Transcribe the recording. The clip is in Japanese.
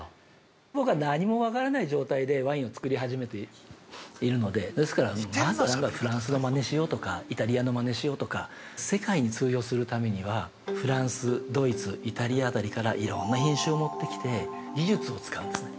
◆僕は何も分からない状態でワインをつくり始めているのでですから、まずはフランスのまねしようとかイタリアのまねしようとか世界に通用するためにはフランス、ドイツ、イタリアあたりからいろんな品種を持ってきて技術を使うんですね。